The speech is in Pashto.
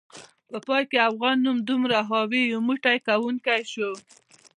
په پای کې د افغان نوم دومره حاوي، یو موټی کونکی شو